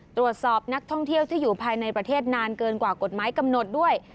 ตรวจสอบนักท่องเที่ยวที่อยู่ภายในประเทศนานเกินกว่ากฎหมายกำหนดด้วย